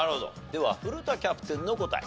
では古田キャプテンの答え。